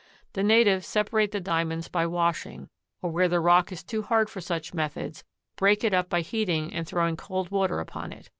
The natives separate the Diamonds by washing, or where the rock is too hard for such methods, break it up by heating and throwing cold water upon it.